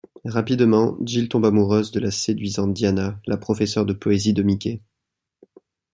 Rapidement, Jill tombe amoureuse de la séduisante Diana, la professeure de poésie de Mickey.